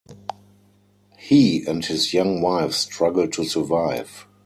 He and his young wife struggle to survive.